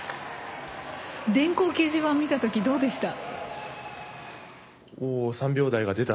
電光掲示板を見たときどうでした？